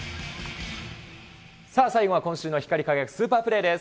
最後は今週の光輝くスーパープレーです。